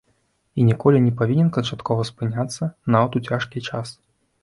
І ніколі не павінен канчаткова спыняцца, нават у цяжкія час.